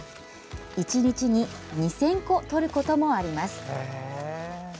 １日に２０００個とることもあります。